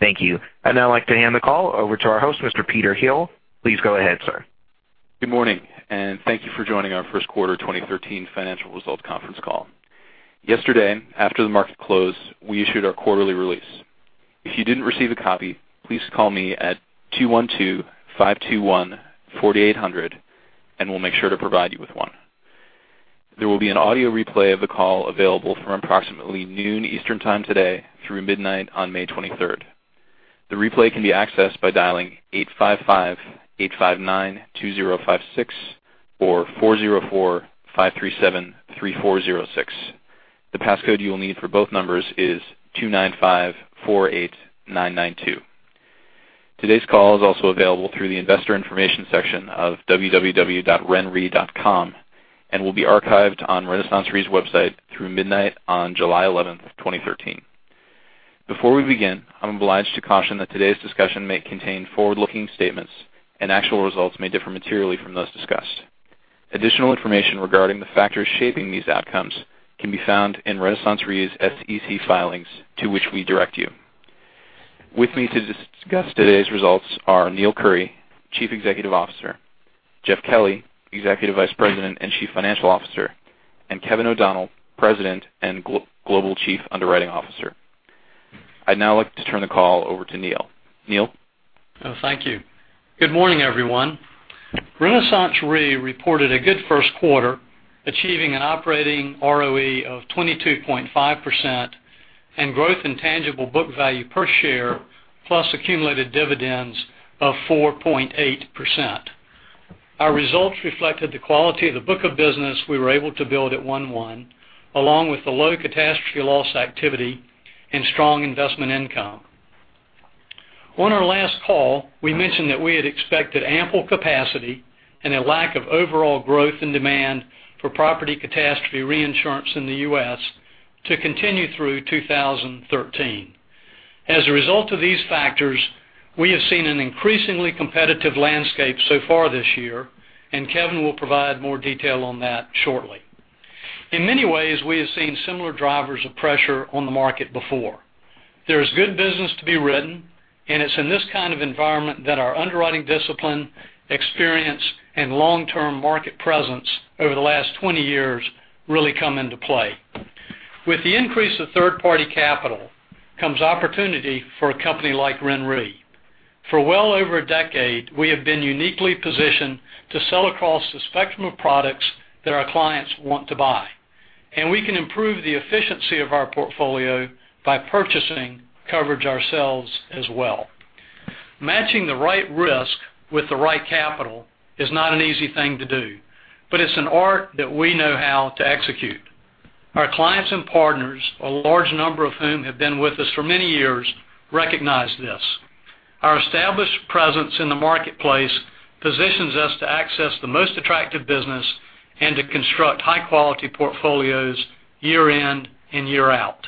Thank you. I'd now like to hand the call over to our host, Mr. Peter Hill. Please go ahead, sir. Good morning. Thank you for joining our first quarter 2013 financial results conference call. Yesterday, after the market closed, we issued our quarterly release. If you didn't receive a copy, please call me at 212-521-4800. We'll make sure to provide you with one. There will be an audio replay of the call available from approximately noon Eastern Time today through midnight on May 23rd. The replay can be accessed by dialing 855-859-2056 or 404-537-3406. The pass code you will need for both numbers is 29548992. Today's call is also available through the investor information section of www.renre.com. Will be archived on RenaissanceRe's website through midnight on July 11th, 2013. Before we begin, I'm obliged to caution that today's discussion may contain forward-looking statements and actual results may differ materially from those discussed. Additional information regarding the factors shaping these outcomes can be found in RenaissanceRe's SEC filings to which we direct you. With me to discuss today's results are Neill Currie, Chief Executive Officer, Jeff Kelly, Executive Vice President and Chief Financial Officer, and Kevin O'Donnell, President and Global Chief Underwriting Officer. I'd now like to turn the call over to Neill. Neill? Thank you. Good morning, everyone. RenaissanceRe reported a good first quarter, achieving an operating ROE of 22.5% and growth in tangible book value per share plus accumulated dividends of 4.8%. Our results reflected the quality of the book of business we were able to build at 1/1, along with the low catastrophe loss activity and strong investment income. On our last call, we mentioned that we had expected ample capacity and a lack of overall growth and demand for property catastrophe reinsurance in the U.S. to continue through 2013. As a result of these factors, we have seen an increasingly competitive landscape so far this year. Kevin will provide more detail on that shortly. In many ways, we have seen similar drivers of pressure on the market before. There is good business to be written. It's in this kind of environment that our underwriting discipline, experience, and long-term market presence over the last 20 years really come into play. With the increase of third-party capital comes opportunity for a company like RenRe. For well over a decade, we have been uniquely positioned to sell across the spectrum of products that our clients want to buy. We can improve the efficiency of our portfolio by purchasing coverage ourselves as well. Matching the right risk with the right capital is not an easy thing to do, but it's an art that we know how to execute. Our clients and partners, a large number of whom have been with us for many years, recognize this. Our established presence in the marketplace positions us to access the most attractive business and to construct high-quality portfolios year in and year out.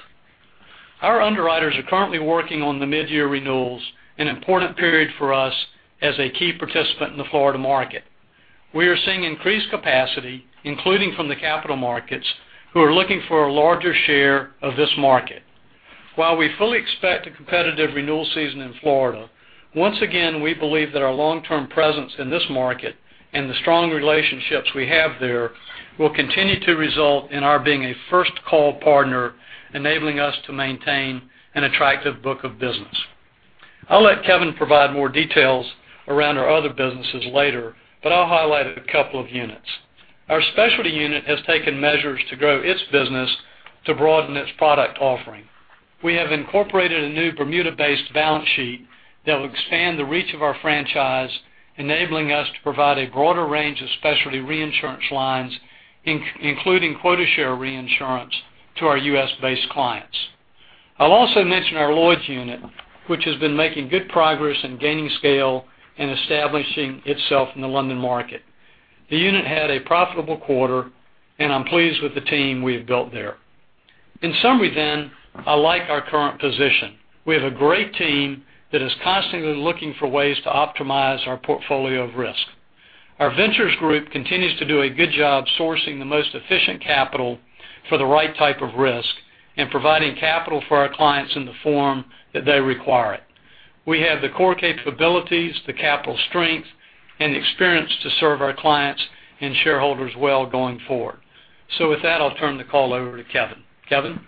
Our underwriters are currently working on the midyear renewals, an important period for us as a key participant in the Florida market. We are seeing increased capacity, including from the capital markets, who are looking for a larger share of this market. While we fully expect a competitive renewal season in Florida, once again, we believe that our long-term presence in this market and the strong relationships we have there will continue to result in our being a first-call partner, enabling us to maintain an attractive book of business. I'll let Kevin provide more details around our other businesses later. I'll highlight a couple of units. Our specialty unit has taken measures to grow its business to broaden its product offering. We have incorporated a new Bermuda-based balance sheet that will expand the reach of our franchise, enabling us to provide a broader range of specialty reinsurance lines, including quota share reinsurance to our U.S.-based clients. I'll also mention our Lloyd's unit, which has been making good progress in gaining scale and establishing itself in the London market. The unit had a profitable quarter. I'm pleased with the team we have built there. In summary, I like our current position. We have a great team that is constantly looking for ways to optimize our portfolio of risk. Our ventures group continues to do a good job sourcing the most efficient capital for the right type of risk and providing capital for our clients in the form that they require it. We have the core capabilities, the capital strength, and the experience to serve our clients and shareholders well going forward. With that, I'll turn the call over to Kevin. Kevin?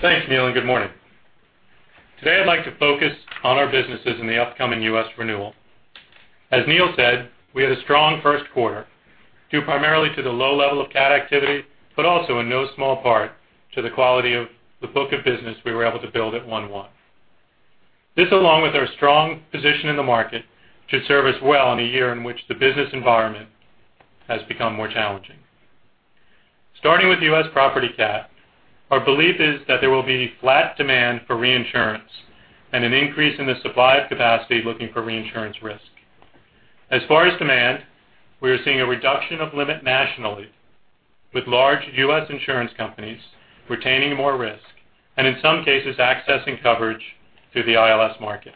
Thanks, Neill, and good morning. Today, I'd like to focus on our businesses in the upcoming U.S. renewal. As Neill said, we had a strong first quarter due primarily to the low level of cat activity, but also in no small part to the quality of the book of business we were able to build at 1/1. This, along with our strong position in the market, should serve us well in a year in which the business environment has become more challenging. Starting with U.S. property cat, our belief is that there will be flat demand for reinsurance and an increase in the supply of capacity looking for reinsurance risk. As far as demand, we are seeing a reduction of limit nationally with large U.S. insurance companies retaining more risk, and in some cases, accessing coverage through the ILS market.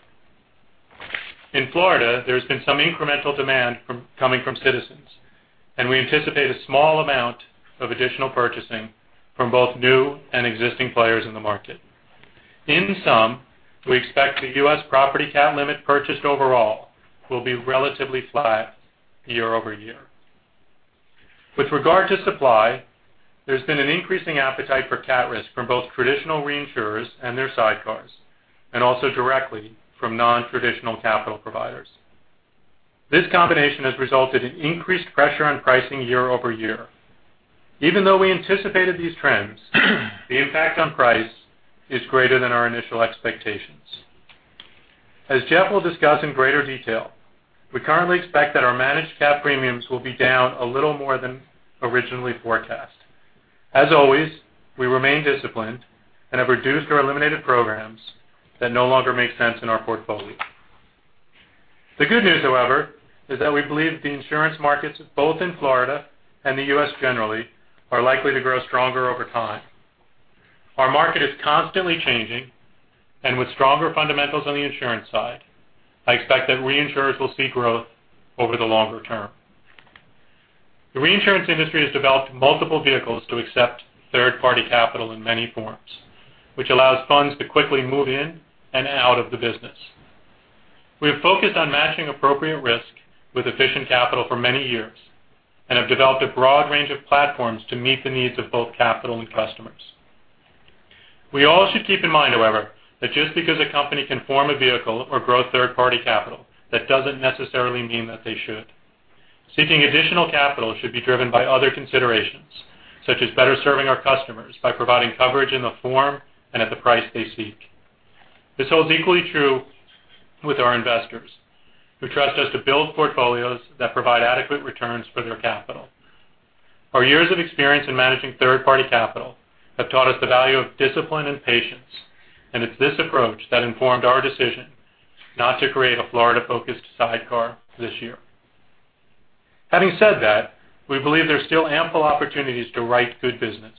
In Florida, there's been some incremental demand coming from Citizens, and we anticipate a small amount of additional purchasing from both new and existing players in the market. In sum, we expect the U.S. property cat limit purchased overall will be relatively flat year-over-year. With regard to supply, there's been an increasing appetite for cat risk from both traditional reinsurers and their sidecars, and also directly from non-traditional capital providers. This combination has resulted in increased pressure on pricing year-over-year. Even though we anticipated these trends, the impact on price is greater than our initial expectations. As Jeff will discuss in greater detail, we currently expect that our managed cat premiums will be down a little more than originally forecast. As always, we remain disciplined and have reduced or eliminated programs that no longer make sense in our portfolio. The good news, however, is that we believe the insurance markets, both in Florida and the U.S. generally, are likely to grow stronger over time. Our market is constantly changing, and with stronger fundamentals on the insurance side, I expect that reinsurers will see growth over the longer term. The reinsurance industry has developed multiple vehicles to accept third-party capital in many forms, which allows funds to quickly move in and out of the business. We have focused on matching appropriate risk with efficient capital for many years and have developed a broad range of platforms to meet the needs of both capital and customers. We all should keep in mind, however, that just because a company can form a vehicle or grow third-party capital, that doesn't necessarily mean that they should. Seeking additional capital should be driven by other considerations, such as better serving our customers by providing coverage in the form and at the price they seek. This holds equally true with our investors, who trust us to build portfolios that provide adequate returns for their capital. Our years of experience in managing third-party capital have taught us the value of discipline and patience, and it's this approach that informed our decision not to create a Florida-focused sidecar this year. Having said that, we believe there are still ample opportunities to write good business,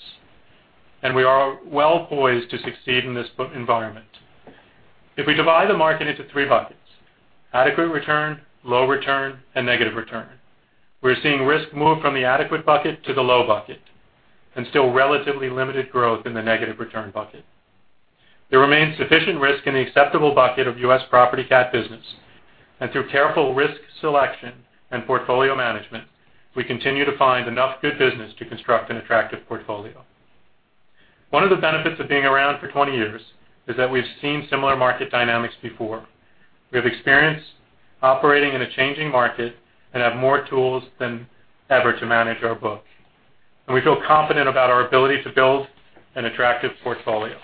and we are well poised to succeed in this environment. If we divide the market into three buckets, adequate return, low return, and negative return, we're seeing risk move from the adequate bucket to the low bucket, and still relatively limited growth in the negative return bucket. There remains sufficient risk in the acceptable bucket of U.S. property cat business, and through careful risk selection and portfolio management, we continue to find enough good business to construct an attractive portfolio. One of the benefits of being around for 20 years is that we've seen similar market dynamics before. We have experience operating in a changing market and have more tools than ever to manage our book, and we feel confident about our ability to build an attractive portfolio.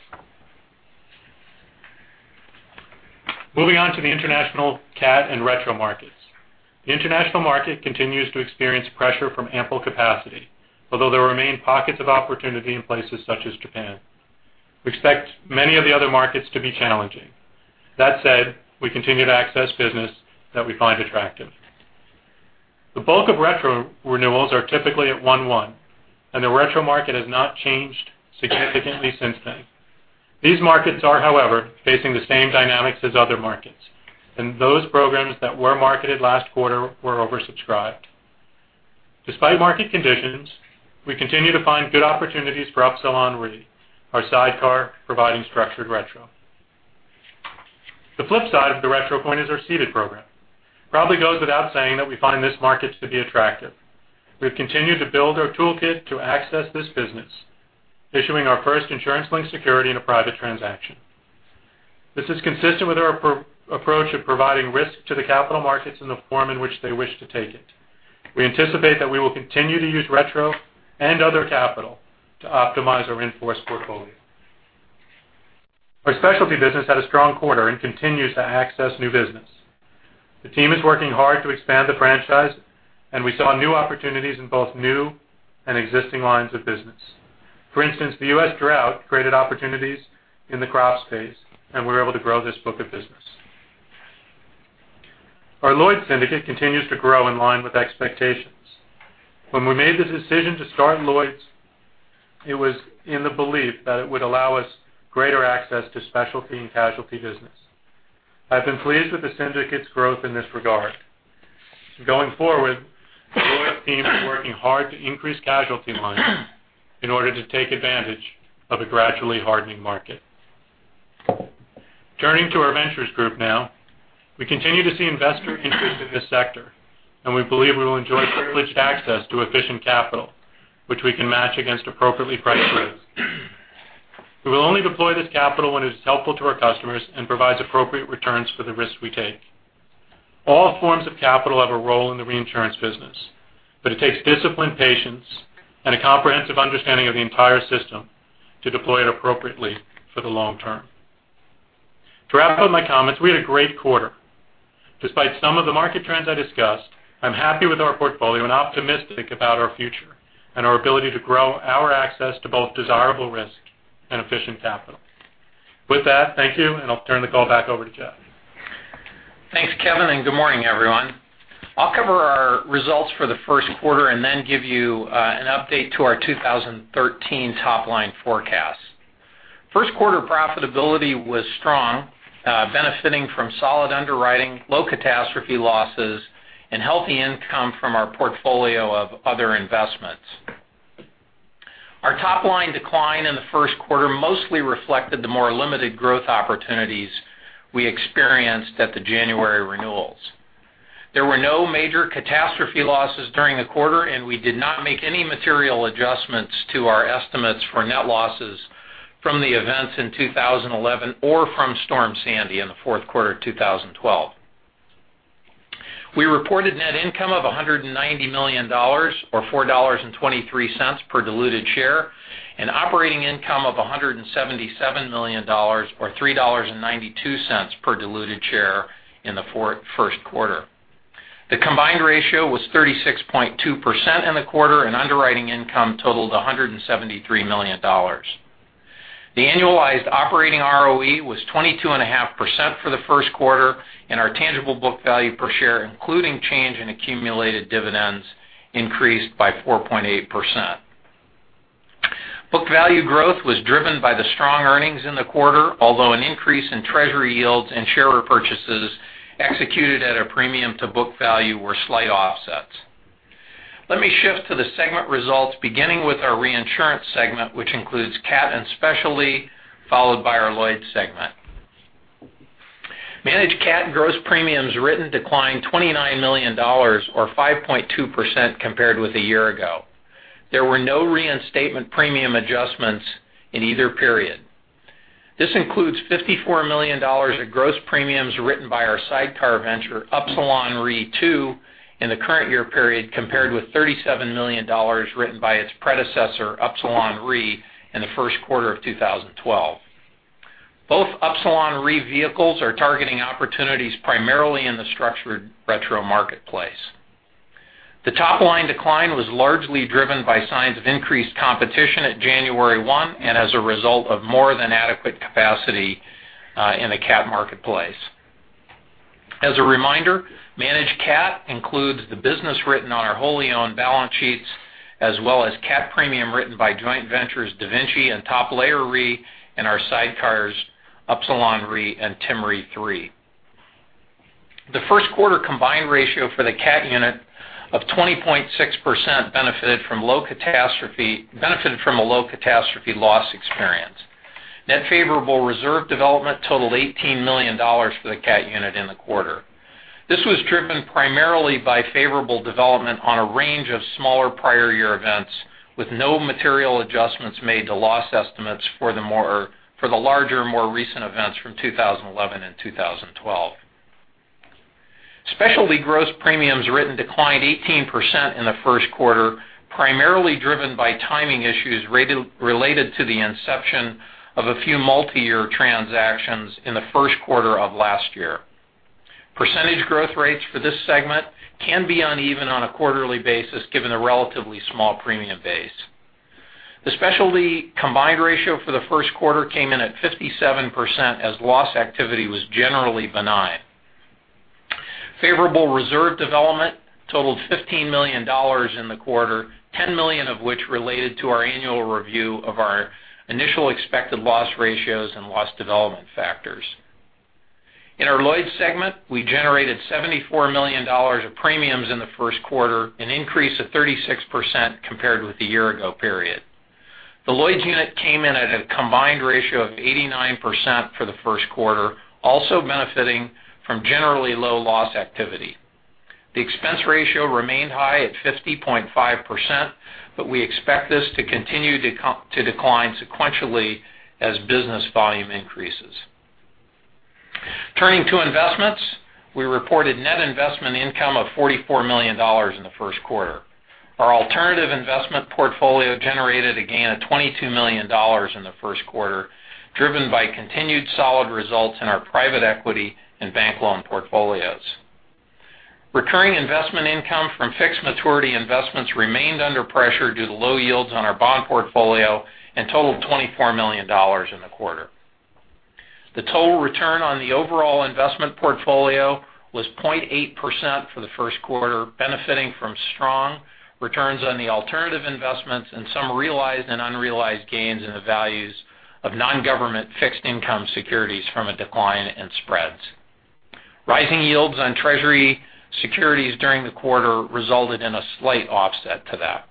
Moving on to the international cat and retrocession markets. The international market continues to experience pressure from ample capacity, although there remain pockets of opportunity in places such as Japan. We expect many of the other markets to be challenging. That said, we continue to access business that we find attractive. The bulk of retrocession renewals are typically at one-one. The retrocession market has not changed significantly since then. These markets are, however, facing the same dynamics as other markets. Those programs that were marketed last quarter were oversubscribed. Despite market conditions, we continue to find good opportunities for Epsilon Re, our sidecar providing structured retrocession. The flip side of the retrocession point is our ceded program. Probably goes without saying that we find this market to be attractive. We've continued to build our toolkit to access this business, issuing our first insurance-linked security in a private transaction. This is consistent with our approach of providing risk to the capital markets in the form in which they wish to take it. We anticipate that we will continue to use retrocession and other capital to optimize our reinforced portfolio. Our specialty business had a strong quarter and continues to access new business. The team is working hard to expand the franchise. We saw new opportunities in both new and existing lines of business. For instance, the U.S. drought created opportunities in the crop space. We were able to grow this book of business. Our Lloyd's syndicate continues to grow in line with expectations. When we made the decision to start Lloyd's, it was in the belief that it would allow us greater access to specialty and casualty business. I've been pleased with the syndicate's growth in this regard. Going forward, the Lloyd's team is working hard to increase casualty lines in order to take advantage of a gradually hardening market. Turning to our ventures group now, we continue to see investor interest in this sector. We believe we will enjoy privileged access to efficient capital, which we can match against appropriately priced risk. We will only deploy this capital when it is helpful to our customers and provides appropriate returns for the risk we take. All forms of capital have a role in the reinsurance business. It takes discipline, patience, and a comprehensive understanding of the entire system to deploy it appropriately for the long term. To wrap up my comments, we had a great quarter. Despite some of the market trends I discussed, I'm happy with our portfolio and optimistic about our future and our ability to grow our access to both desirable risk and efficient capital. With that, thank you. I'll turn the call back over to Jeff. Thanks, Kevin, and good morning, everyone. I'll cover our for the first quarter and then give you an update to our 2013 top-line forecast. First quarter profitability was strong, benefiting from solid underwriting, low catastrophe losses, and healthy income from our portfolio of other investments. Our top-line decline in the first quarter mostly reflected the more limited growth opportunities we experienced at the January renewals. There were no major catastrophe losses during the quarter, and we did not make any material adjustments to our estimates for net losses from the events in 2011 or from Superstorm Sandy in the fourth quarter of 2012. We reported net income of $190 million, or $4.23 per diluted share, and operating income of $177 million, or $3.92 per diluted share in the first quarter. The combined ratio was 36.2% in the quarter, and underwriting income totaled $173 million. The annualized operating ROE was 22.5% for the first quarter, and our tangible book value per share, including change in accumulated dividends, increased by 4.8%. Book value growth was driven by the strong earnings in the quarter, although an increase in treasury yields and share repurchases executed at a premium to book value were slight offsets. Let me shift to the segment results, beginning with our reinsurance segment, which includes cat and specialty, followed by our Lloyd's segment. Managed cat gross premiums written declined $29 million, or 5.2%, compared with a year ago. There were no reinstatement premium adjustments in either period. This includes $54 million of gross premiums written by our sidecar venture, Upsilon Re2, in the current year period, compared with $37 million written by its predecessor, Upsilon Re, in the first quarter of 2012. Both Upsilon Re vehicles are targeting opportunities primarily in the structured retro marketplace. The top-line decline was largely driven by signs of increased competition at January 1, and as a result of more than adequate capacity in the cat marketplace. As a reminder, managed cat includes the business written on our wholly-owned balance sheets, as well as cat premium written by joint ventures DaVinci and Top Layer Re and our sidecars, Upsilon Re and Tim Re III. The first quarter combined ratio for the cat unit of 20.6% benefited from a low catastrophe loss experience. Net favorable reserve development totaled $18 million for the cat unit in the quarter. This was driven primarily by favorable development on a range of smaller prior year events, with no material adjustments made to loss estimates for the larger, more recent events from 2011 and 2012. Specialty gross premiums written declined 18% in the first quarter, primarily driven by timing issues related to the inception of a few multi-year transactions in the first quarter of last year. Percentage growth rates for this segment can be uneven on a quarterly basis, given the relatively small premium base. The specialty combined ratio for the first quarter came in at 57%, as loss activity was generally benign. Favorable reserve development totaled $15 million in the quarter, $10 million of which related to our annual review of our initial expected loss ratios and loss development factors. In our Lloyd's segment, we generated $74 million of premiums in the first quarter, an increase of 36% compared with the year ago period. The Lloyd's unit came in at a combined ratio of 89% for the first quarter, also benefiting from generally low loss activity. The expense ratio remained high at 50.5%, but we expect this to continue to decline sequentially as business volume increases. Turning to investments, we reported net investment income of $44 million in the first quarter. Our alternative investment portfolio generated a gain of $22 million in the first quarter, driven by continued solid results in our private equity and bank loan portfolios. Returning investment income from fixed maturity investments remained under pressure due to low yields on our bond portfolio and totaled $24 million in the quarter. The total return on the overall investment portfolio was 0.8% for the first quarter, benefiting from strong returns on the alternative investments and some realized and unrealized gains in the values of non-government fixed income securities from a decline in spreads. Rising yields on treasury securities during the quarter resulted in a slight offset to that.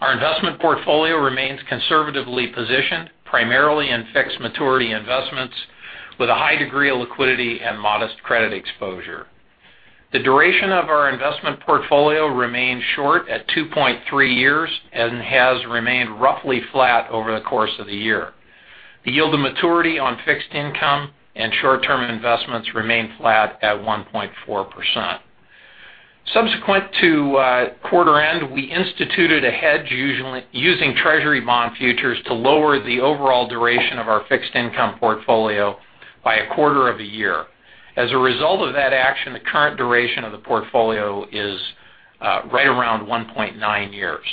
Our investment portfolio remains conservatively positioned, primarily in fixed maturity investments with a high degree of liquidity and modest credit exposure. The duration of our investment portfolio remains short at 2.3 years and has remained roughly flat over the course of the year. The yield to maturity on fixed income and short-term investments remain flat at 1.4%. Subsequent to quarter end, we instituted a hedge using treasury bond futures to lower the overall duration of our fixed income portfolio by a quarter of a year. As a result of that action, the current duration of the portfolio is right around 1.9 years.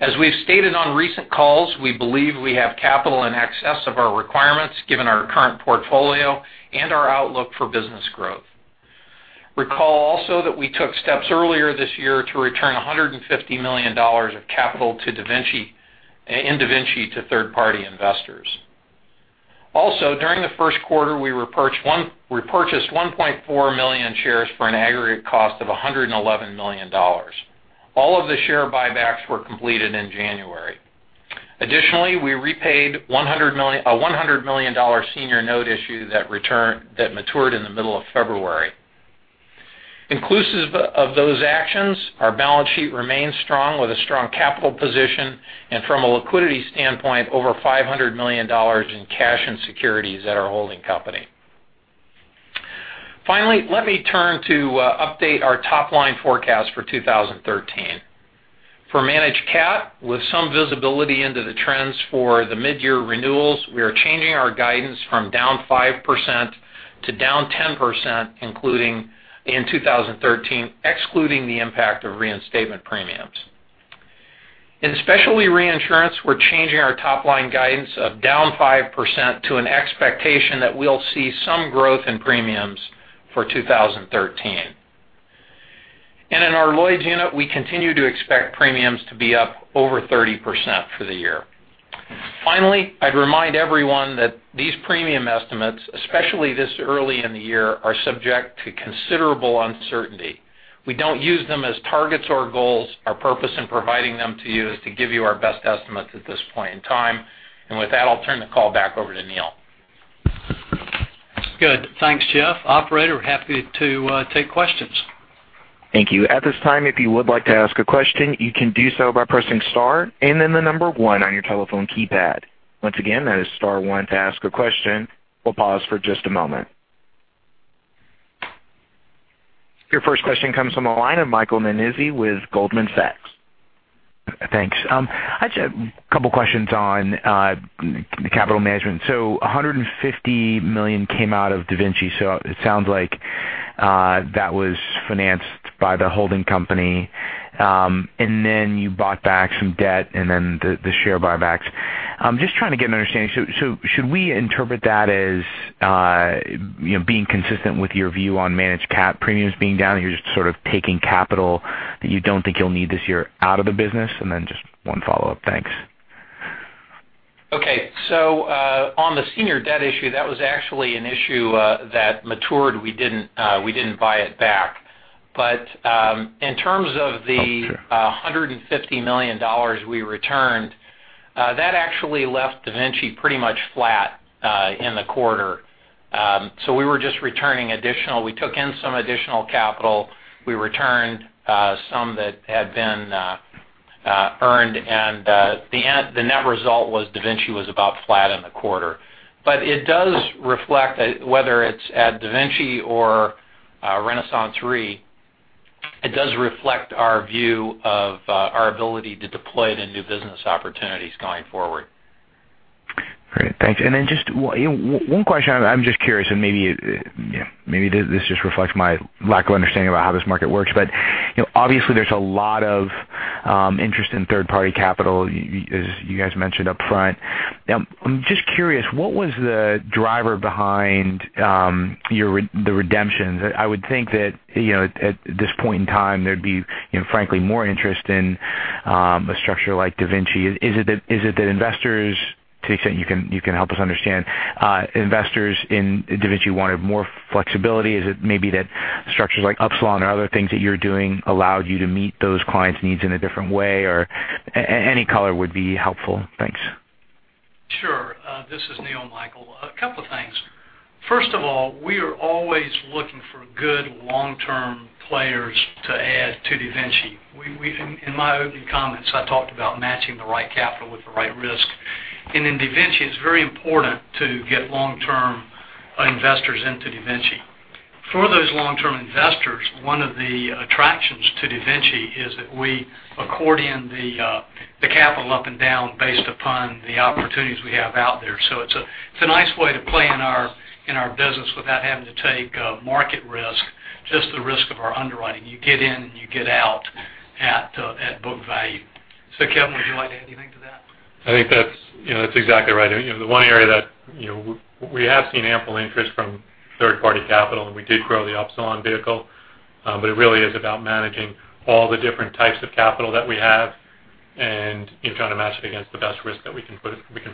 As we've stated on recent calls, we believe we have capital in excess of our requirements, given our current portfolio and our outlook for business growth. Recall also that we took steps earlier this year to return $150 million of capital in DaVinci to third-party investors. During the first quarter, we repurchased 1.4 million shares for an aggregate cost of $111 million. Additionally, we repaid a $100 million senior note issue that matured in the middle of February. Inclusive of those actions, our balance sheet remains strong with a strong capital position and from a liquidity standpoint, over $500 million in cash and securities at our holding company. Finally, let me turn to update our top-line forecast for 2013. For managed cat, with some visibility into the trends for the mid-year renewals, we are changing our guidance from down 5% to down 10% in 2013, excluding the impact of reinstatement premiums. In specialty reinsurance, we're changing our top-line guidance of down 5% to an expectation that we'll see some growth in premiums for 2013. In our Lloyd's unit, we continue to expect premiums to be up over 30% for the year. Finally, I'd remind everyone that these premium estimates, especially this early in the year, are subject to considerable uncertainty. We don't use them as targets or goals. Our purpose in providing them to you is to give you our best estimates at this point in time. With that, I'll turn the call back over to Neill. Good. Thanks, Jeff. Operator, happy to take questions. Thank you. At this time, if you would like to ask a question, you can do so by pressing star and then the number 1 on your telephone keypad. Once again, that is star 1 to ask a question. We'll pause for just a moment. Your first question comes from the line of Michael Nannizzi with Goldman Sachs. Thanks. I just have a couple of questions on the capital management. $150 million came out of DaVinci. It sounds like that was financed by the holding company, and then you bought back some debt and then the share buybacks. I'm just trying to get an understanding. Should we interpret that as being consistent with your view on managed cat premiums being down, and you're just sort of taking capital that you don't think you'll need this year out of the business? Just one follow-up. Thanks. Okay. On the senior debt issue, that was actually an issue that matured. We didn't buy it back. Okay $150 million we returned, that actually left DaVinci pretty much flat in the quarter. We took in some additional capital. We returned some that had been earned, and the net result was DaVinci was about flat in the quarter. It does reflect, whether it's at DaVinci or RenaissanceRe, it does reflect our view of our ability to deploy it into business opportunities going forward. Great. Thanks. Then just one question. I'm just curious, and maybe this just reflects my lack of understanding about how this market works, obviously there's a lot of interest in third-party capital, as you guys mentioned upfront. I'm just curious, what was the driver behind the redemptions? I would think that, at this point in time, there'd be frankly more interest in a structure like DaVinci. Is it that investors, to the extent you can help us understand, investors in DaVinci wanted more flexibility? Is it maybe that structures like Upsilon or other things that you're doing allowed you to meet those clients' needs in a different way? Any color would be helpful. Thanks. Sure. This is Neill, Michael. A couple of things. First of all, we are always looking for good long-term players to add to DaVinci. In my opening comments, I talked about matching the right capital with the right risk. In DaVinci, it's very important to get long-term investors into DaVinci. For those long-term investors, one of the attractions to DaVinci is that we accordion the capital up and down based upon the opportunities we have out there. It's a nice way to play in our business without having to take market risk, just the risk of our underwriting. You get in and you get out at book value. Kevin, would you like to add anything to that? I think that's exactly right. The one area that we have seen ample interest from third-party capital, we did grow the Upsilon vehicle, it really is about managing all the different types of capital that we have and trying to match it against the best risk that we can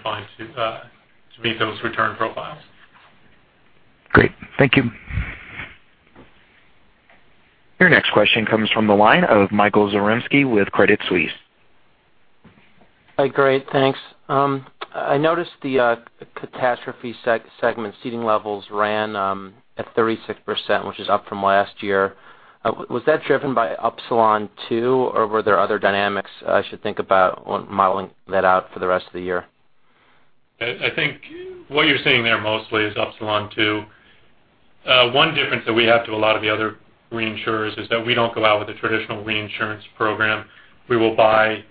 find to meet those return profiles. Great. Thank you. Your next question comes from the line of Michael Zaremski with Credit Suisse. Hi, great. Thanks. I noticed the catastrophe segment ceding levels ran at 36%, which is up from last year. Was that driven by Upsilon 2, or were there other dynamics I should think about modeling that out for the rest of the year? I think what you're seeing there mostly is Upsilon 2. One difference that we have to a lot of the other reinsurers is that we don't go out with a traditional reinsurance program. We will buy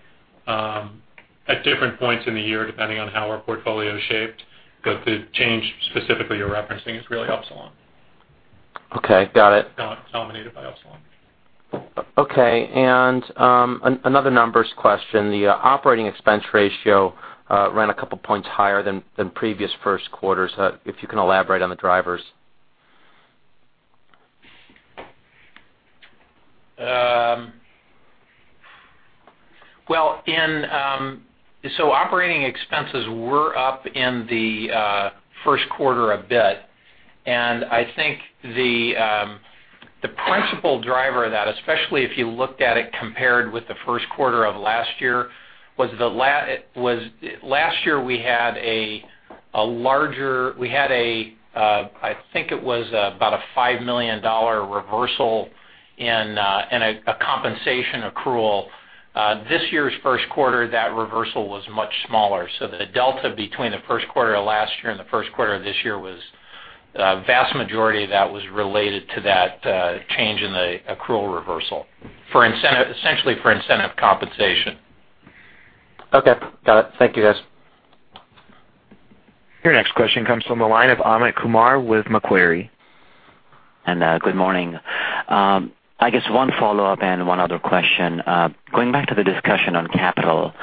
at different points in the year, depending on how our portfolio is shaped. The change specifically you're referencing is really Upsilon. Okay, got it. Dominated by Upsilon. Okay. Another numbers question, the operating expense ratio ran a couple points higher than previous first quarters. If you can elaborate on the drivers. Operating expenses were up in the first quarter a bit. I think the principal driver of that, especially if you looked at it compared with the first quarter of last year, was last year we had a larger, I think it was about a $5 million reversal in a compensation accrual. This year's first quarter, that reversal was much smaller. The delta between the first quarter of last year and the first quarter of this year was, vast majority of that was related to that change in the accrual reversal, essentially for incentive compensation. Okay. Got it. Thank you, guys. Your next question comes from the line of Amit Kumar with Macquarie. Good morning. I guess one follow-up and one other question. Going back to the discussion on capital,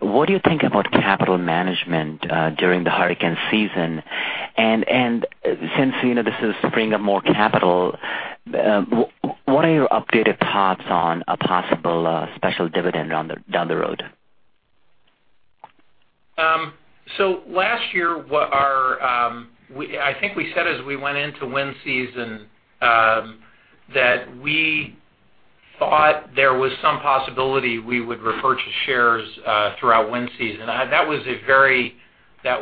what do you think about capital management during the hurricane season? Since this is bringing up more capital, what are your updated thoughts on a possible special dividend down the road? Last year, I think we said as we went into wind season, that we thought there was some possibility we would repurchase shares throughout wind season. That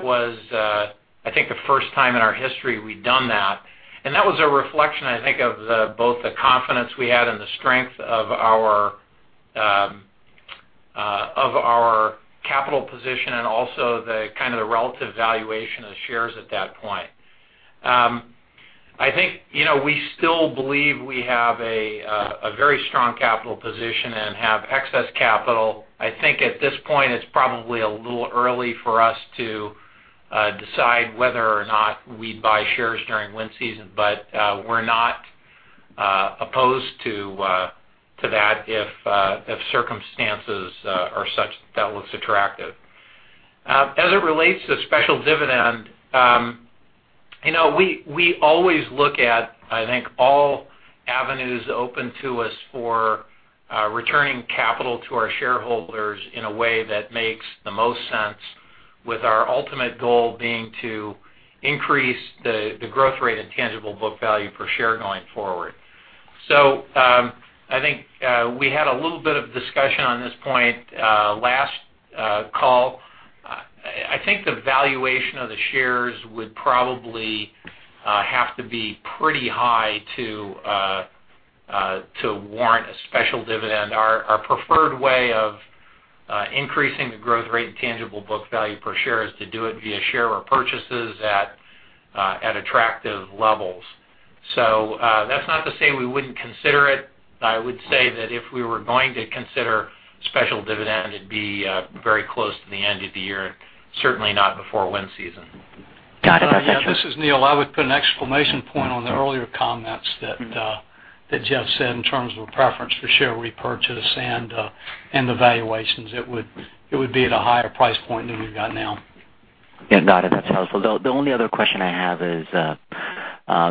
was, I think, the first time in our history we'd done that. That was a reflection, I think, of both the confidence we had and the strength of our capital position and also the kind of the relative valuation of shares at that point. I think we still believe we have a very strong capital position and have excess capital. I think at this point, it's probably a little early for us to decide whether or not we'd buy shares during wind season. We're not opposed to that if circumstances are such that that looks attractive. As it relates to special dividend, we always look at, I think, all avenues open to us for returning capital to our shareholders in a way that makes the most sense with our ultimate goal being to increase the growth rate and tangible book value per share going forward. I think we had a little bit of discussion on this point last call. I think the valuation of the shares would probably have to be pretty high to warrant a special dividend. Our preferred way of increasing the growth rate and tangible book value per share is to do it via share repurchases at attractive levels. That's not to say we wouldn't consider it. I would say that if we were going to consider special dividend, it'd be very close to the end of the year, certainly not before wind season. Got it. That's helpful. This is Neill. I would put an exclamation point on the earlier comments that Jeff said in terms of a preference for share repurchase and the valuations. It would be at a higher price point than we've got now. Yeah. Got it. That's helpful. The only other question I have is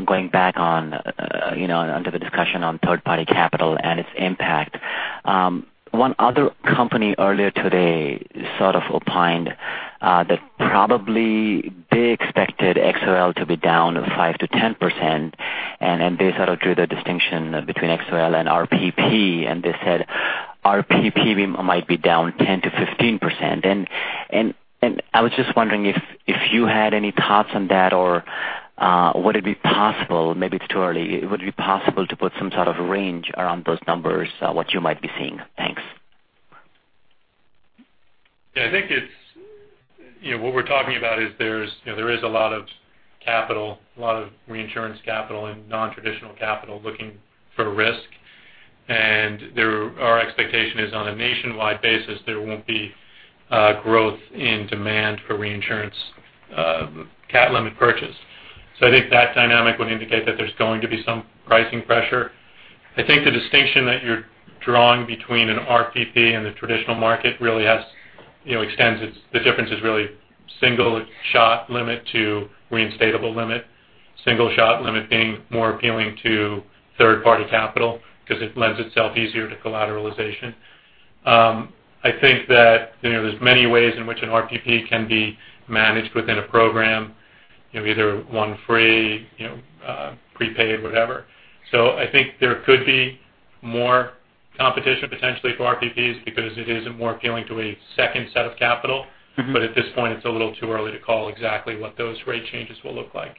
going back on under the discussion on third-party capital and its impact. One other company earlier today sort of opined that probably they expected XOL to be down 5%-10%, and they sort of drew the distinction between XOL and RPP, and they said RPP might be down 10%-15%. I was just wondering if you had any thoughts on that or would it be possible, maybe it's too early, would it be possible to put some sort of range around those numbers what you might be seeing? Thanks. Yeah, I think what we're talking about is there is a lot of capital, a lot of reinsurance capital and non-traditional capital looking for risk. Our expectation is on a nationwide basis, there won't be growth in demand for reinsurance cat limit purchase. I think that dynamic would indicate that there's going to be some pricing pressure. I think the distinction that you're drawing between an RPP and the traditional market really extends. The difference is really single shot limit to reinstatable limit. Single shot limit being more appealing to third-party capital because it lends itself easier to collateralization. I think that there's many ways in which an RPP can be managed within a program, either one free, prepaid, whatever. I think there could be more competition potentially for RPPs because it is more appealing to a second set of capital. At this point, it's a little too early to call exactly what those rate changes will look like.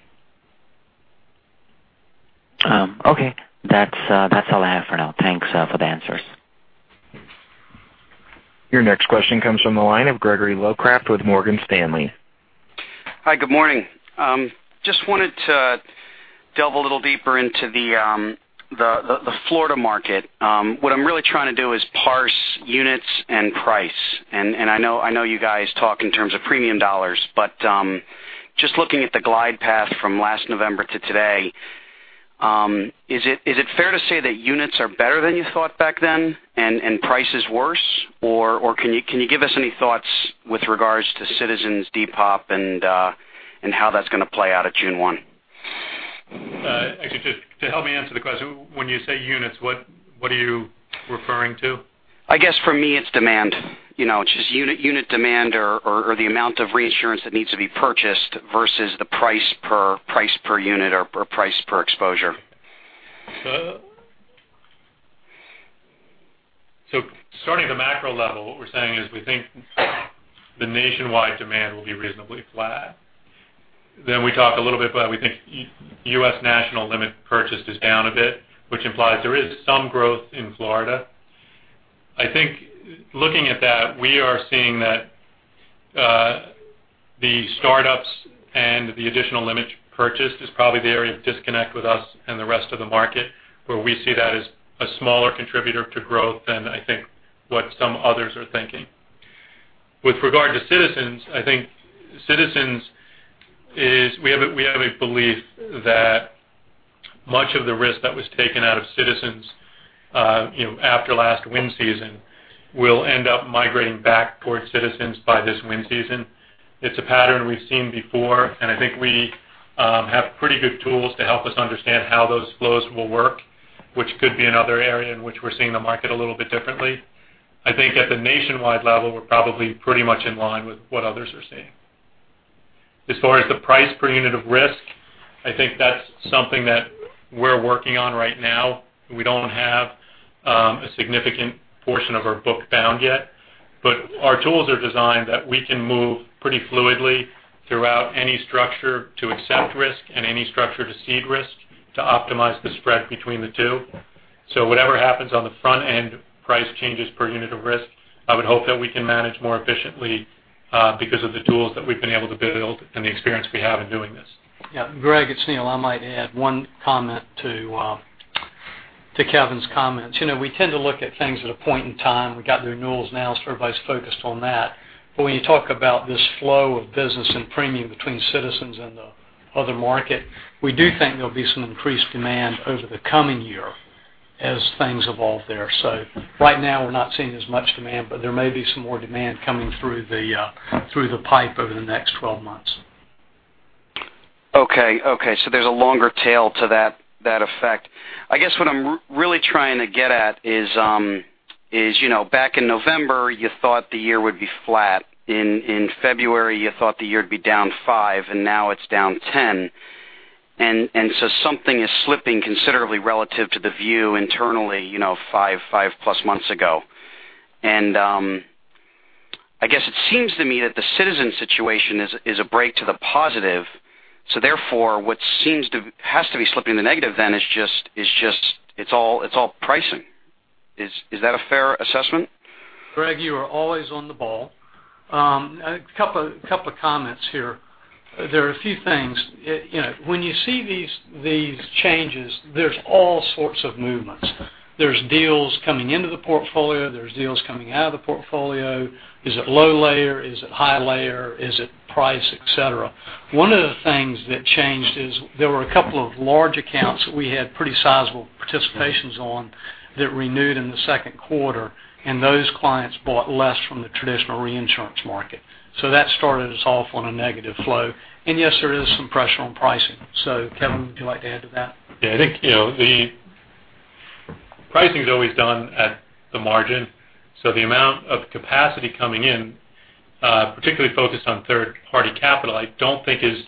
Okay. That's all I have for now. Thanks for the answers. Your next question comes from the line of Gregory Locraft with Morgan Stanley. Hi, good morning. Just wanted to delve a little deeper into the Florida market. What I'm really trying to do is parse units and price. I know you guys talk in terms of premium dollars, but just looking at the glide path from last November to today. Is it fair to say that units are better than you thought back then and prices worse? Can you give us any thoughts with regards to Citizens depop and how that's going to play out at June 1? Actually, to help me answer the question, when you say units, what are you referring to? I guess for me it's demand, just unit demand or the amount of reinsurance that needs to be purchased versus the price per unit or price per exposure. Starting at the macro level, what we're saying is we think the nationwide demand will be reasonably flat. We talked a little bit about we think U.S. national limit purchase is down a bit, which implies there is some growth in Florida. I think looking at that, we are seeing that the startups and the additional limit purchase is probably the area of disconnect with us and the rest of the market, where we see that as a smaller contributor to growth than I think what some others are thinking. With regard to Citizens, I think Citizens is we have a belief that much of the risk that was taken out of Citizens after last wind season will end up migrating back towards Citizens by this wind season. It's a pattern we've seen before, and I think we have pretty good tools to help us understand how those flows will work, which could be another area in which we're seeing the market a little bit differently. I think at the nationwide level, we're probably pretty much in line with what others are seeing. As far as the price per unit of risk, I think that's something that we're working on right now. We don't have a significant portion of our book bound yet, but our tools are designed that we can move pretty fluidly throughout any structure to accept risk and any structure to cede risk, to optimize the spread between the two. Whatever happens on the front end, price changes per unit of risk, I would hope that we can manage more efficiently because of the tools that we've been able to build and the experience we have in doing this. Greg, it's Neill. I might add one comment to Kevin's comments. We tend to look at things at a point in time. We've got the renewals now, so everybody's focused on that. When you talk about this flow of business and premium between Citizens and the other market, we do think there'll be some increased demand over the coming year as things evolve there. Right now we're not seeing as much demand, but there may be some more demand coming through the pipe over the next 12 months. Okay. There's a longer tail to that effect. I guess what I'm really trying to get at is, back in November, you thought the year would be flat. In February, you thought the year would be down five, and now it's down 10. Something is slipping considerably relative to the view internally, five plus months ago. I guess it seems to me that the Citizens situation is a break to the positive. Therefore, what has to be slipping in the negative then is just, it's all pricing. Is that a fair assessment? Greg, you are always on the ball. A couple of comments here. There are a few things. When you see these changes, there's all sorts of movements. There's deals coming into the portfolio, there's deals coming out of the portfolio. Is it low layer? Is it high layer? Is it price, et cetera? One of the things that changed is there were a couple of large accounts that we had pretty sizable participations on that renewed in the second quarter, and those clients bought less from the traditional reinsurance market. That started us off on a negative flow. Yes, there is some pressure on pricing. Kevin, would you like to add to that? Yeah, I think the pricing is always done at the margin. The amount of capacity coming in, particularly focused on third party capital, I don't think is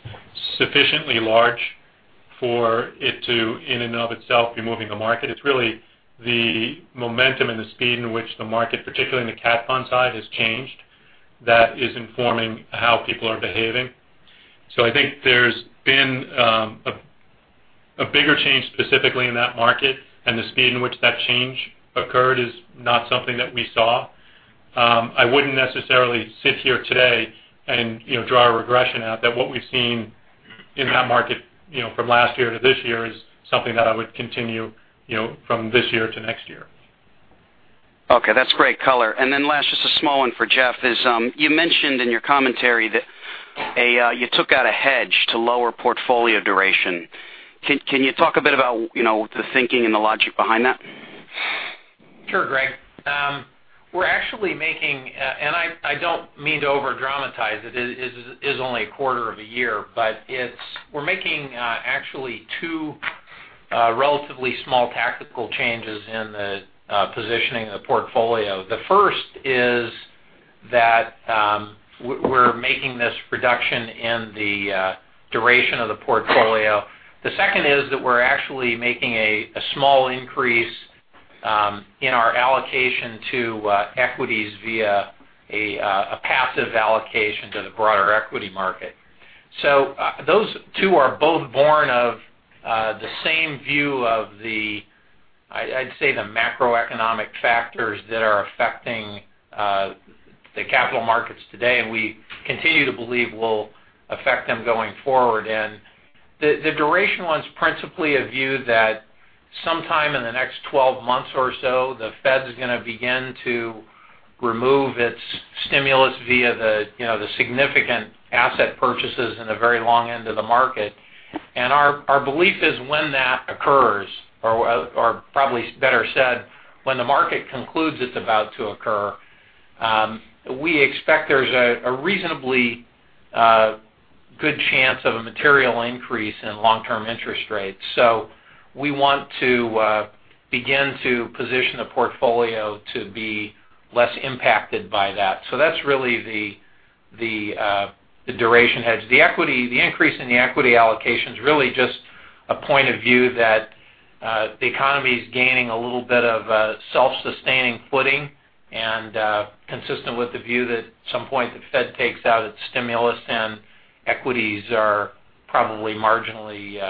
sufficiently large for it to, in and of itself, be moving the market. It's really the momentum and the speed in which the market, particularly in the catastrophe bond side, has changed that is informing how people are behaving. I think there's been a bigger change specifically in that market, and the speed in which that change occurred is not something that we saw. I wouldn't necessarily sit here today and draw a regression out that what we've seen in that market from last year to this year is something that I would continue from this year to next year. Okay. That's great color. Last, just a small one for Jeff is, you mentioned in your commentary that you took out a hedge to lower portfolio duration. Can you talk a bit about the thinking and the logic behind that? Sure, Greg. We're actually making, and I don't mean to over-dramatize it is only a quarter of a year, but we're making actually two relatively small tactical changes in the positioning of the portfolio. The first is that we're making this reduction in the duration of the portfolio. The second is that we're actually making a small increase in our allocation to equities via a passive allocation to the broader equity market. Those two are both born of the same view of the, I'd say, the macroeconomic factors that are affecting the capital markets today and we continue to believe will affect them going forward. The duration one's principally a view that sometime in the next 12 months or so, the Fed is going to begin to remove its stimulus via the significant asset purchases in the very long end of the market. Our belief is when that occurs, or probably better said, when the market concludes it's about to occur, we expect there's a reasonably good chance of a material increase in long-term interest rates. We want to begin to position the portfolio to be less impacted by that. That's really the duration hedge. The increase in the equity allocation is really just a point of view that the economy is gaining a little bit of a self-sustaining footing and consistent with the view that at some point the Fed takes out its stimulus and equities are probably marginally,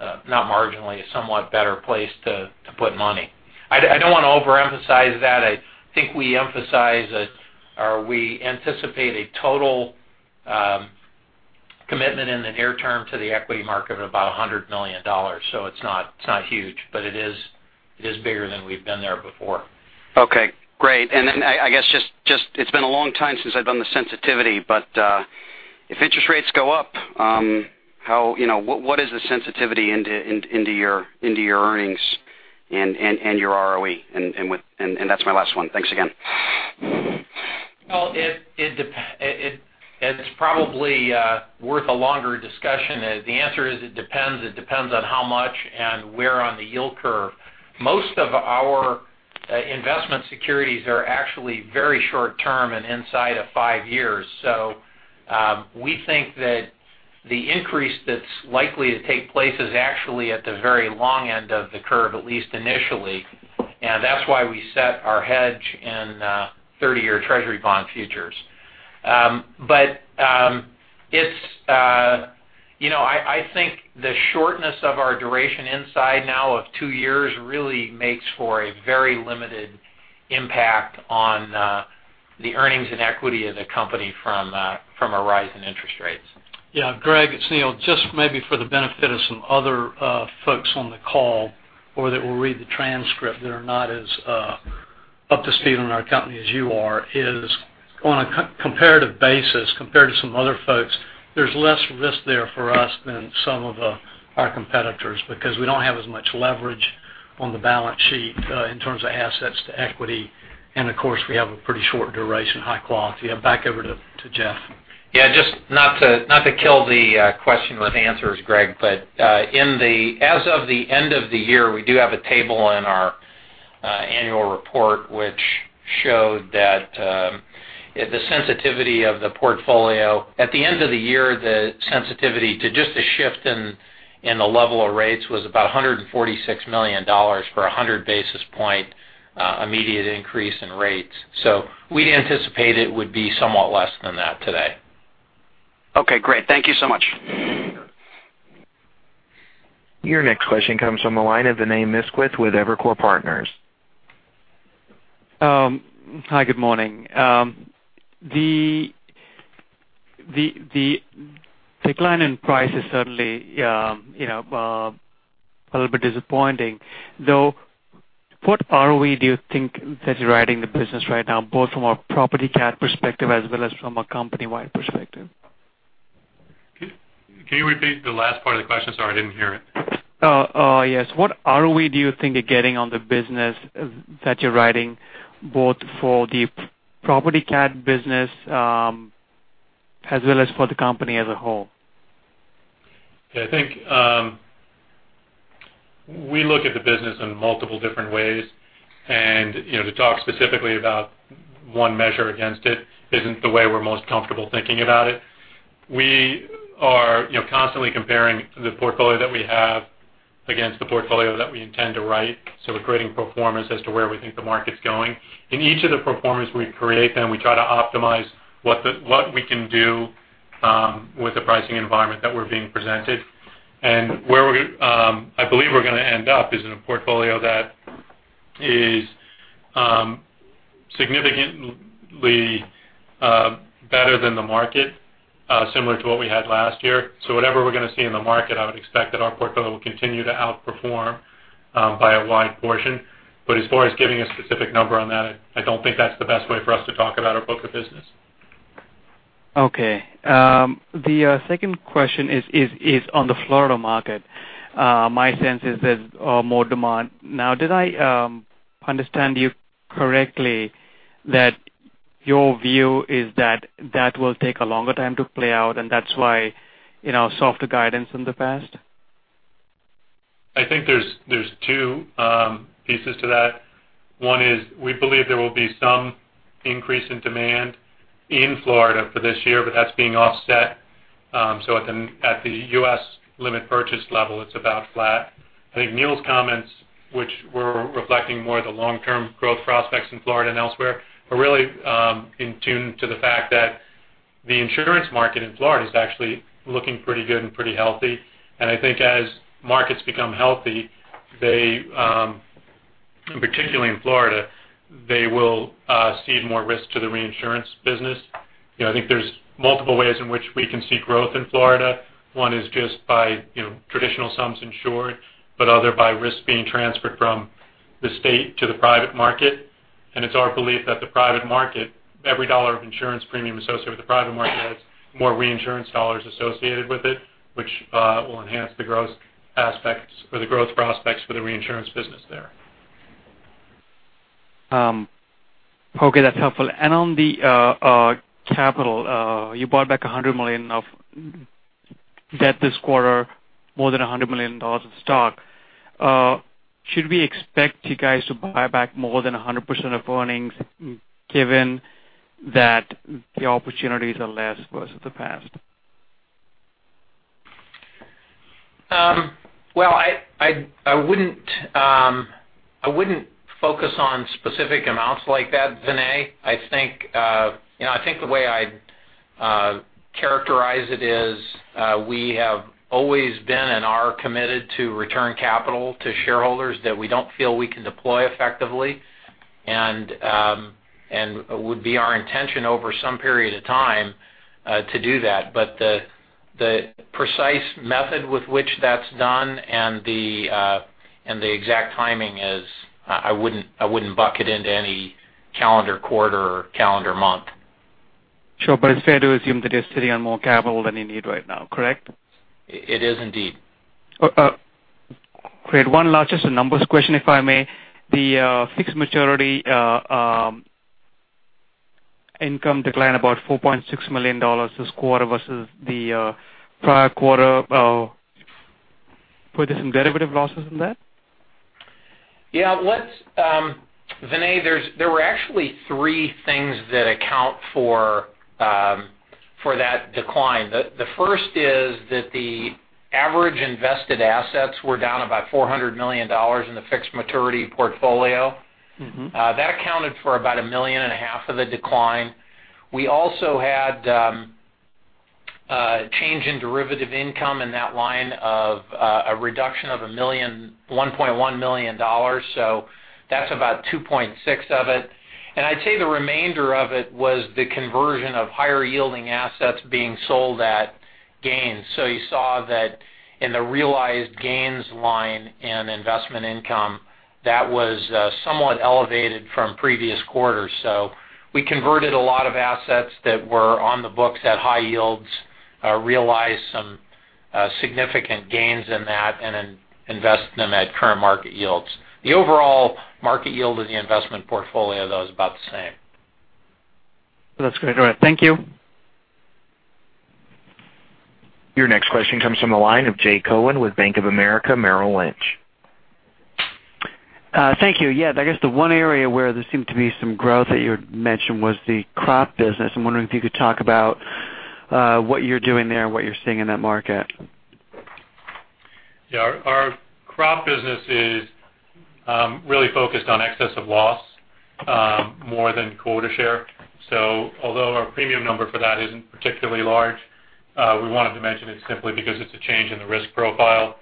not marginally, a somewhat better place to put money. I don't want to overemphasize that. I think we emphasize or we anticipate a total commitment in the near term to the equity market of about $100 million. It's not huge, but it is bigger than we've been there before. Okay. Great. I guess it's been a long time since I've done the sensitivity, but if interest rates go up, what is the sensitivity into your earnings and your ROE? That's my last one. Thanks again. Well, it's probably worth a longer discussion. The answer is it depends. It depends on how much and where on the yield curve. Most of our investment securities are actually very short-term and inside of five years. We think that the increase that's likely to take place is actually at the very long end of the curve, at least initially. That's why we set our hedge in 30-year Treasury bond futures. I think the shortness of our duration inside now of two years really makes for a very limited impact on the earnings and equity of the company from a rise in interest rates. Yeah, Greg, it's Neill. Just maybe for the benefit of some other folks on the call or that will read the transcript that are not as up to speed on our company as you are is, on a comparative basis, compared to some other folks, there's less risk there for us than some of our competitors because we don't have as much leverage on the balance sheet in terms of assets to equity. Of course, we have a pretty short duration, high quality. Back over to Jeff. Yeah, just not to kill the question with answers, Greg. As of the end of the year, we do have a table in our annual report which showed that the sensitivity of the portfolio at the end of the year, the sensitivity to just a shift in the level of rates was about $146 million for 100 basis point immediate increase in rates. We'd anticipate it would be somewhat less than that today. Okay, great. Thank you so much. Your next question comes from the line of Vinay Misquith with Evercore Partners. Hi, good morning. The decline in price is certainly a little bit disappointing, though what ROE do you think that you're writing the business right now, both from a property cat perspective as well as from a company-wide perspective? Can you repeat the last part of the question? Sorry, I didn't hear it. Yes. What ROE do you think you're getting on the business that you're writing, both for the property cat business as well as for the company as a whole? I think we look at the business in multiple different ways. To talk specifically about one measure against it isn't the way we're most comfortable thinking about it. We are constantly comparing the portfolio that we have against the portfolio that we intend to write. We're creating performance as to where we think the market's going. In each of the performance we create we try to optimize what we can do with the pricing environment that we're being presented. Where I believe we're going to end up is in a portfolio that is significantly better than the market, similar to what we had last year. Whatever we're going to see in the market, I would expect that our portfolio will continue to outperform by a wide portion. As far as giving a specific number on that, I don't think that's the best way for us to talk about our book of business. Okay. The second question is on the Florida market. My sense is there's more demand now. Did I understand you correctly that your view is that that will take a longer time to play out, and that's why softer guidance in the past? I think there's two pieces to that. One is we believe there will be some increase in demand in Florida for this year, but that's being offset. At the U.S. limit purchase level, it's about flat. I think Neill's comments, which were reflecting more the long-term growth prospects in Florida and elsewhere, are really in tune to the fact that the insurance market in Florida is actually looking pretty good and pretty healthy. I think as markets become healthy, they particularly in Florida, they will cede more risk to the reinsurance business. I think there's multiple ways in which we can see growth in Florida. One is just by traditional sums insured, but other by risk being transferred from the state to the private market. It's our belief that the private market, every $ of insurance premium associated with the private market has more reinsurance $ associated with it, which will enhance the growth aspects or the growth prospects for the reinsurance business there. Okay, that's helpful. On the capital, you bought back $100 million of debt this quarter, more than $100 million of stock. Should we expect you guys to buy back more than 100% of earnings, given that the opportunities are less versus the past? Well, I wouldn't focus on specific amounts like that, Vinay. I think the way I'd characterize it is we have always been and are committed to return capital to shareholders that we don't feel we can deploy effectively, and would be our intention over some period of time to do that. The precise method with which that's done and the exact timing is I wouldn't bucket into any calendar quarter or calendar month. Sure. It's fair to assume that you're sitting on more capital than you need right now, correct? It is indeed. Great. One last, just a numbers question, if I may. The fixed maturity income declined about $4.6 million this quarter versus the prior quarter. Were there some derivative losses in that? Yeah. Vinay, there were actually three things that account for that decline. The first is that the average invested assets were down about $400 million in the fixed maturity portfolio. That accounted for about a million and a half of the decline. We also had a change in derivative income in that line of a reduction of $1.1 million. That's about 2.6 of it. I'd say the remainder of it was the conversion of higher yielding assets being sold at gains. You saw that in the realized gains line in investment income, that was somewhat elevated from previous quarters. We converted a lot of assets that were on the books at high yields, realized some significant gains in that, and then invested them at current market yields. The overall market yield of the investment portfolio, though, is about the same. That's great. All right. Thank you. Your next question comes from the line of Jay Cohen with Bank of America Merrill Lynch. Thank you. I guess the one area where there seemed to be some growth that you had mentioned was the crop business. I'm wondering if you could talk about what you're doing there and what you're seeing in that market. Our crop business is really focused on excess of loss more than quota share. Although our premium number for that isn't particularly large, we wanted to mention it simply because it's a change in the risk profile.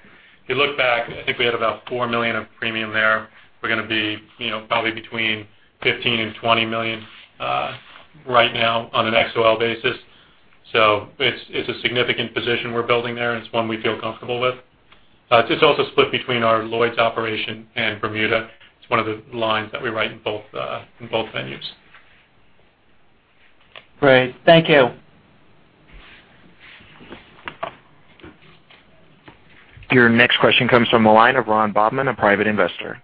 If you look back, I think we had about $4 million of premium there. We're going to be probably between $15 million and $20 million right now on an XOL basis. It's a significant position we're building there, and it's one we feel comfortable with. It's also split between our Lloyd's operation and Bermuda. It's one of the lines that we write in both venues. Great. Thank you. Your next question comes from the line of Ronald Bobman, a private investor.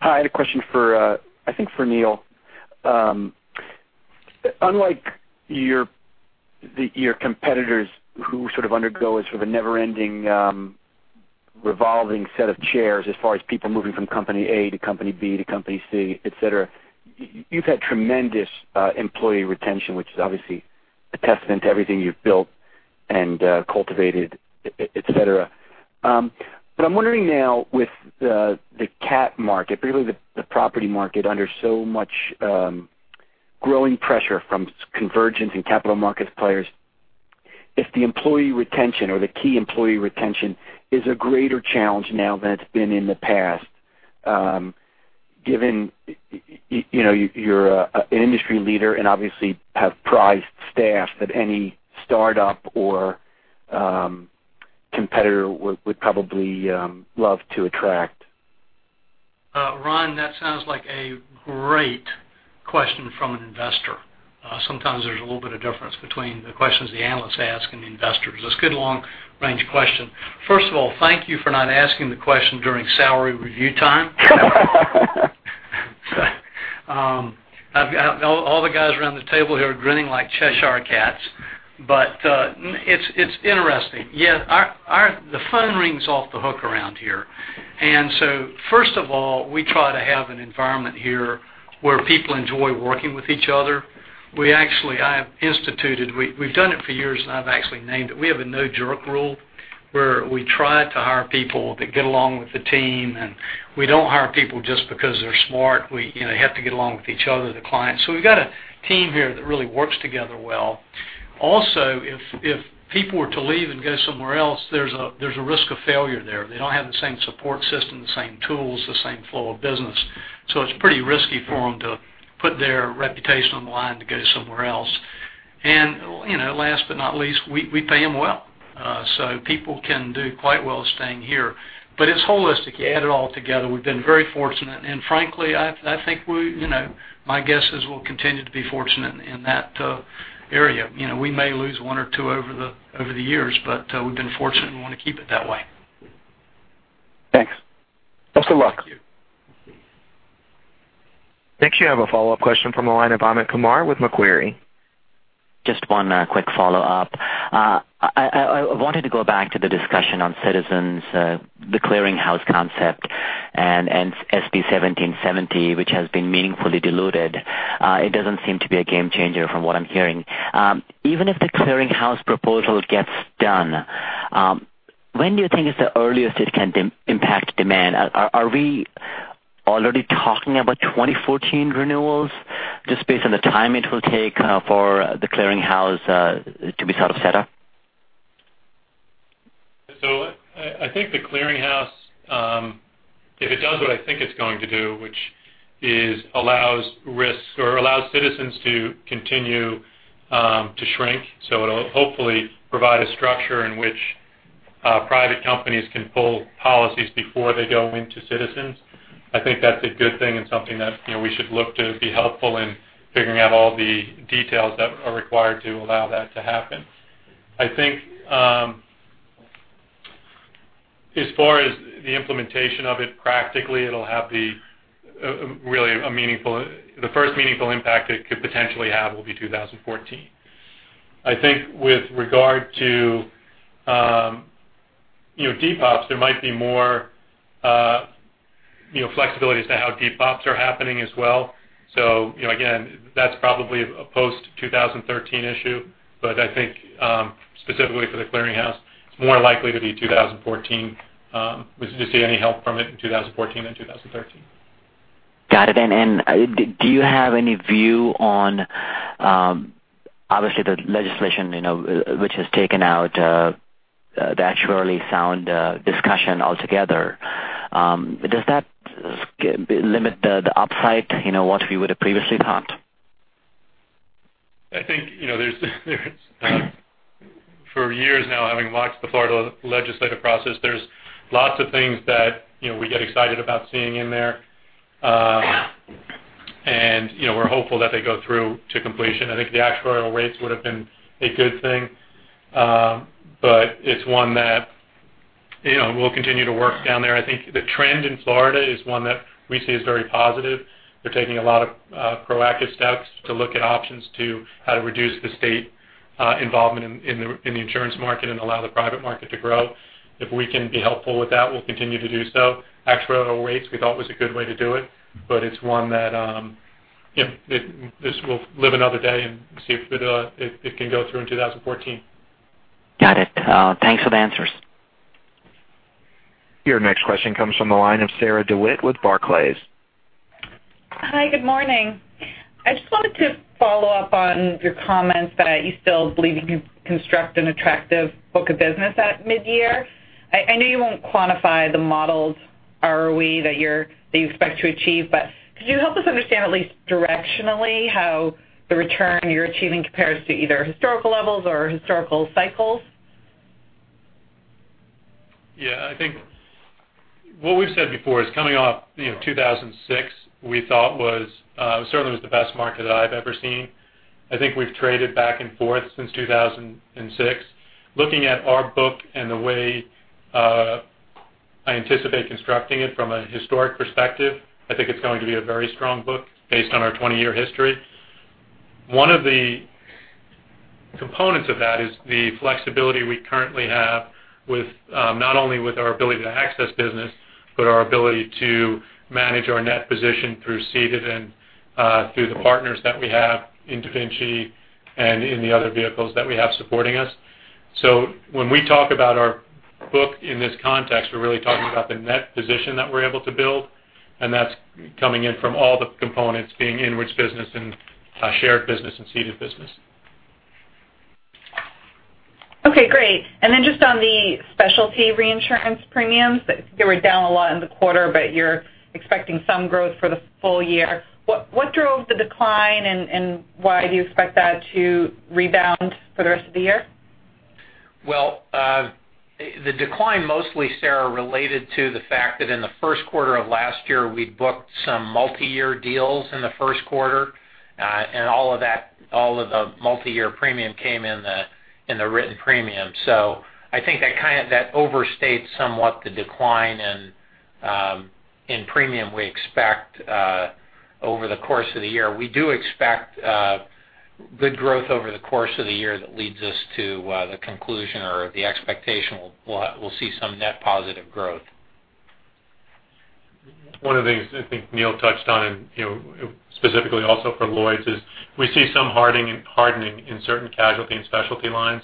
Hi, I had a question, I think, for Neill. Unlike your competitors who sort of undergo a sort of a never-ending revolving set of chairs as far as people moving from company A to company B to company C, et cetera, you've had tremendous employee retention, which is obviously a testament to everything you've built and cultivated, et cetera. I'm wondering now with the cat market, particularly the property market, under so much growing pressure from convergence in capital markets players, if the employee retention or the key employee retention is a greater challenge now than it's been in the past, given you're an industry leader and obviously have prized staff that any startup or competitor would probably love to attract. Ron, that sounds like a great question from an investor. Sometimes there's a little bit of difference between the questions the analysts ask and the investors. That's a good long-range question. First of all, thank you for not asking the question during salary review time. All the guys around the table here are grinning like Cheshire cats. It's interesting. The phone rings off the hook around here. First of all, we try to have an environment here where people enjoy working with each other. We've done it for years, and I've actually named it. We have a no jerk rule, where we try to hire people that get along with the team, and we don't hire people just because they're smart. They have to get along with each other, the clients. We've got a team here that really works together well. Also, if people were to leave and go somewhere else, there's a risk of failure there. They don't have the same support system, the same tools, the same flow of business. It's pretty risky for them to put their reputation on the line to go somewhere else. Last but not least, we pay them well. People can do quite well staying here. It's holistic. You add it all together, we've been very fortunate. Frankly, my guess is we'll continue to be fortunate in that area. We may lose one or two over the years, we've been fortunate, and we want to keep it that way. Thanks. Best of luck. Thank you. Next, you have a follow-up question from the line of Amit Kumar with Macquarie. Just one quick follow-up. I wanted to go back to the discussion on Citizens, the clearinghouse concept, and SB 1770, which has been meaningfully diluted. It doesn't seem to be a game changer from what I'm hearing. Even if the clearinghouse proposal gets done, when do you think is the earliest it can impact demand? Are we already talking about 2014 renewals, just based on the time it will take for the clearinghouse to be set up? I think the clearinghouse, if it does what I think it's going to do, which allows Citizens to continue to shrink. It'll hopefully provide a structure in which private companies can pull policies before they go into Citizens. I think that's a good thing and something that we should look to be helpful in figuring out all the details that are required to allow that to happen. I think, as far as the implementation of it, practically, the first meaningful impact it could potentially have will be 2014. I think with regard to depops, there might be more flexibility as to how depops are happening as well. Again, that's probably a post-2013 issue, but I think specifically for the clearinghouse, it's more likely to see any help from it in 2014 than 2013. Got it. Do you have any view on, obviously, the legislation, which has taken out the actuarially sound discussion altogether? Does that limit the upside, what we would have previously thought? I think for years now, having watched the Florida legislative process, there's lots of things that we get excited about seeing in there. We're hopeful that they go through to completion. I think the actuarial rates would have been a good thing. It's one that we'll continue to work down there. I think the trend in Florida is one that we see as very positive. They're taking a lot of proactive steps to look at options to how to reduce the state involvement in the insurance market and allow the private market to grow. If we can be helpful with that, we'll continue to do so. Actuarial rates we thought was a good way to do it, but it's one that this will live another day and see if it can go through in 2014. Got it. Thanks for the answers. Your next question comes from the line of Sarah DeWitt with Barclays. Hi, good morning. I just wanted to follow up on your comments that you still believe you can construct an attractive book of business at mid-year. I know you won't quantify the modeled ROE that you expect to achieve, could you help us understand at least directionally how the return you're achieving compares to either historical levels or historical cycles? Yeah, I think what we've said before is coming off 2006, we thought certainly was the best market that I've ever seen. I think we've traded back and forth since 2006. Looking at our book and the way I anticipate constructing it from a historic perspective, I think it's going to be a very strong book based on our 20-year history. One of the components of that is the flexibility we currently have not only with our ability to access business, but our ability to manage our net position through ceded and through the partners that we have in DaVinci and in the other vehicles that we have supporting us. When we talk about our book in this context, we're really talking about the net position that we're able to build. That's coming in from all the components, being inwards business and shared business and ceded business. Okay, great. Then just on the specialty reinsurance premiums, they were down a lot in the quarter, but you're expecting some growth for the full year. What drove the decline, and why do you expect that to rebound for the rest of the year? Well, the decline mostly, Sarah, related to the fact that in the first quarter of last year, we booked some multi-year deals in the first quarter. All of the multi-year premium came in the written premium. I think that overstates somewhat the decline in premium we expect over the course of the year. We do expect good growth over the course of the year that leads us to the conclusion or the expectation we'll see some net positive growth. One of the things I think Neill touched on, specifically also for Lloyd's, is we see some hardening in certain casualty and specialty lines.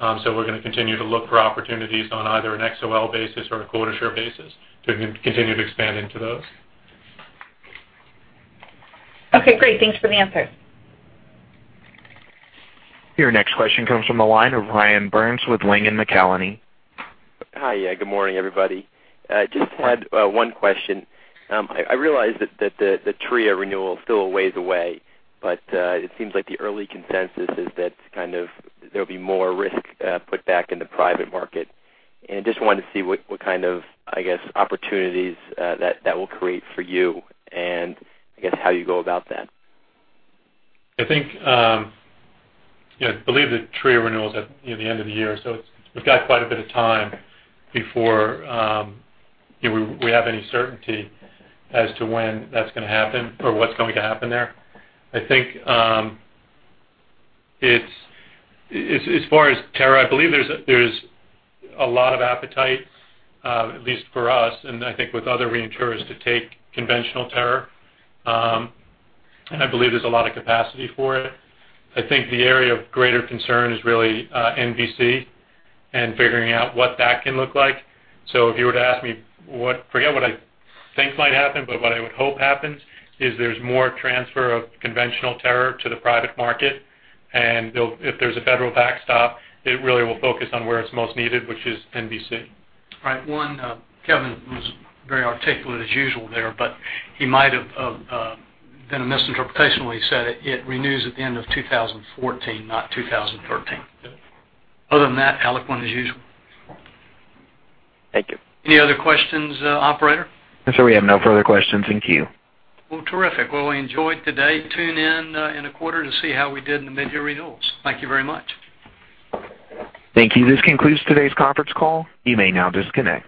We're going to continue to look for opportunities on either an XOL basis or a quota share basis to continue to expand into those. Okay, great. Thanks for the answers. Your next question comes from the line of Ryan Byrnes with Langen McAlenney. Hi. Yeah, good morning, everybody. Just had one question. I realize that the TRIA renewal is still a ways away, but it seems like the early consensus is that kind of there'll be more risk put back in the private market. Just wanted to see what kind of opportunities that will create for you, and how you go about that. I believe the TRIA renewal is at the end of the year. We've got quite a bit of time before we have any certainty as to when that's going to happen or what's going to happen there. I think as far as terror, I believe there's a lot of appetite, at least for us, and I think with other reinsurers to take conventional terror. I believe there's a lot of capacity for it. I think the area of greater concern is really NBC and figuring out what that can look like. If you were to ask me what, forget what I think might happen, but what I would hope happens is there's more transfer of conventional terror to the private market, and if there's a federal backstop, it really will focus on where it's most needed, which is NBC. Right. One, Kevin was very articulate as usual there, he might have been a misinterpretation when he said it. It renews at the end of 2014, not 2013. Other than that, [all is as] usual. Thank you. Any other questions, operator? Sir, we have no further questions in queue. Well, terrific. Well, we enjoyed today. Tune in in a quarter to see how we did in the mid-year renewals. Thank you very much. Thank you. This concludes today's conference call. You may now disconnect.